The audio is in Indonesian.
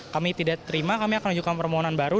kami tidak terima kami akan lanjutkan permohonan baru